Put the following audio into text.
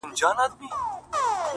زه ستا په ځان كي يم ماته پيدا كړه ـ